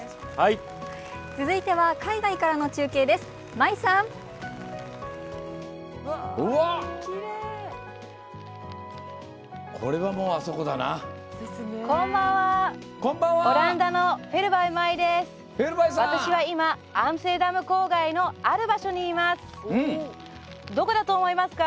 続いては海外からの中継です。